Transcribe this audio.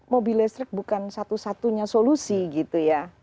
mobil listrik bukan satu satunya solusi gitu ya